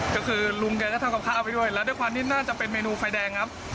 ก็คือลุงแกก็ทำกับข้าวไปด้วยแล้วด้วยความที่น่าจะเป็นเมนูไฟแดงครับ